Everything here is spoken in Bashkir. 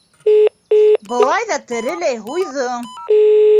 Былай ҙа тереләй һуйҙың!